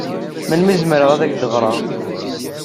Melmi ay zemreɣ ad ak-d-ɣreɣ?